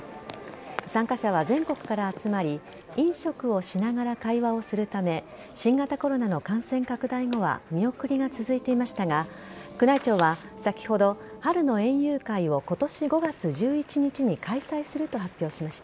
参加者は全国から集まり飲食をしながら会話をするため新型コロナの感染拡大後は見送りが続いていましたが宮内庁は先ほど春の園遊会を今年５月１１日に開催すると発表しました。